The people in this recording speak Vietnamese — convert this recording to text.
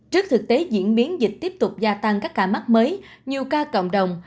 trước thực tế diễn biến dịch tiếp tục gia tăng các ca mắc mới nhiều ca cộng đồng